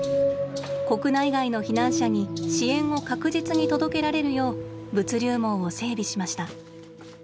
国内外の避難者に支援を確実に届けられるよう物流網を整備しました。